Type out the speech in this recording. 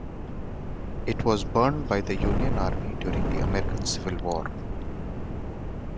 It was burned by the Union Army during the American Civil War.